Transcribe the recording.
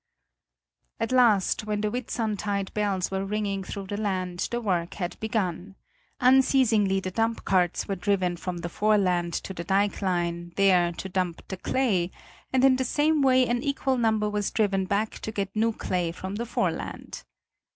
At last, when the Whitsuntide bells were ringing through the land, the work had begun: unceasingly the dumpcarts were driven from the foreland to the dike line, there to dump the clay, and in the same way an equal number was driven back to get new clay from the foreland.